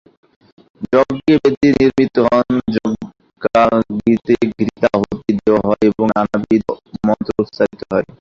যজ্ঞে বেদী নির্মিত হয়, যজ্ঞাগ্নিতে ঘৃতাহুতি দেওয়া হয় এবং নানাবিধ মন্ত্র উচ্চারিত হয়।